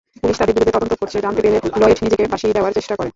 Police তার বিরুদ্ধে তদন্ত করছে জানতে পেরে লয়েড নিজেকে ফাঁসি দেওয়ার চেষ্টা করে।